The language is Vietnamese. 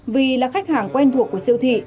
vì là khách hàng quen thuộc của siêu thị